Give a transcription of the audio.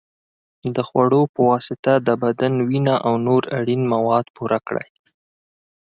د خوړو په واسطه د بدن وینه او نور اړین مواد پوره کړئ.